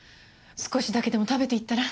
少しだけでも食べていったら？